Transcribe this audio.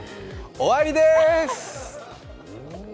終わりでーす！